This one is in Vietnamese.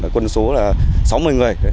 quân số là sáu mươi người